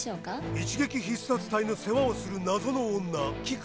一撃必殺隊の世話をする謎の女キク。